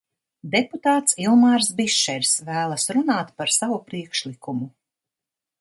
Deputāts Ilmārs Bišers vēlas runāt par savu priekšlikumu.